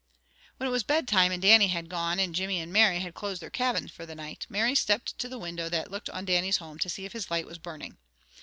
When it was bedtime, and Dannie had gone an Jimmy and Mary closed their cabin for the night, Mary stepped to the window that looked on Dannie's home to see if his light was burning.